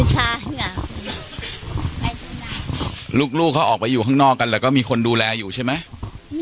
ใช่ค่ะลูกเขาออกไปอยู่ข้างนอกกันแล้วก็มีคนดูแลอยู่ใช่ไหม